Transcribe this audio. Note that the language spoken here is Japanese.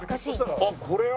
あっこれは？